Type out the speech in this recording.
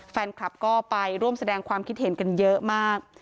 แฟนคลับก็ไปร่วมแสดงความคิดเห็นกันเยอะมาก